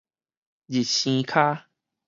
日生跤